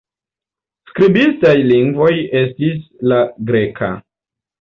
Skribitaj lingvoj estis la greka.